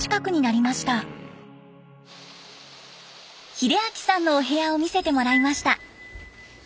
秀明さんのお部屋を見せてもらいました。